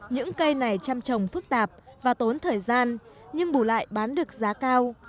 những cây này chăm trồng phức tạp và tốn thời gian nhưng bù lại bán được giá cao